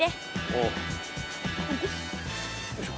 おうよいしょ。